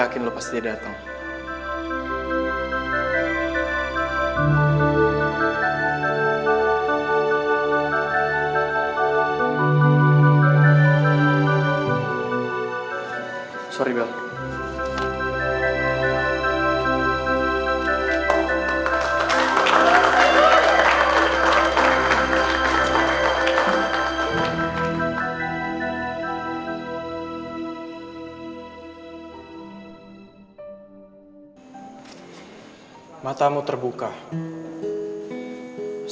kau disana terbaring nyata